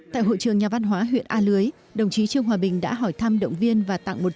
tại hội trường nhà văn hóa huyện a lưới đồng chí trương hòa bình đã hỏi thăm động viên và tặng một trăm